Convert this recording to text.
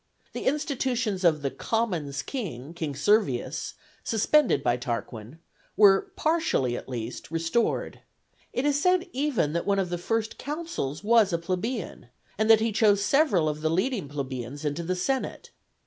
The institutions of "the Commons' King," King Servius, suspended by Tarquin, were, partially at least, restored: it is said even that one of the first consuls was a plebeian, and that he chose several of the leading plebeians into the senate.